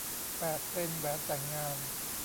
แปด เทรนด์แหวนแต่งงาน